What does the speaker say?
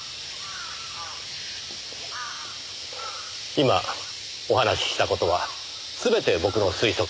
今お話しした事はすべて僕の推測です。